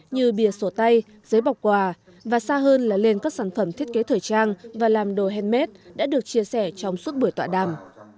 như bìa sổ tay giấy bọc quà và xa hơn là lên các sản phẩm thiết kế thời trang và làm đồ handmade đã được chia sẻ trong suốt buổi tọa đàm